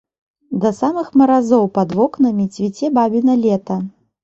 Да самых маразоў пад вокнамі цвіце бабіна лета.